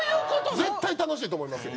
絶対楽しいと思いますよ。